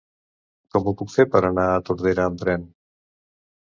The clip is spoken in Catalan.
Com ho puc fer per anar a Tordera amb tren?